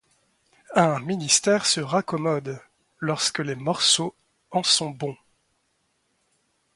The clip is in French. Un ministère se raccommode, lorsque les morceaux en sont bons.